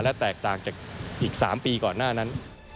และแตกต่างจากอีก๓ปีก่อนหน้านั้น